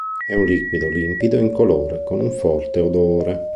È un liquido limpido e incolore con un forte odore.